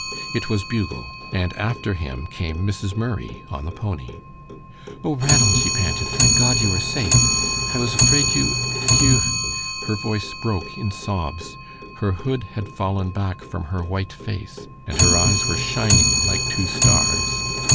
It was Bugle, and after him came Mrs. Murray on the pony. "Oh, Ranald!" she panted, "thank God you are safe. I was afraid you you " Her voice broke in sobs. Her hood had fallen back from her white face, and her eyes were shining like two stars.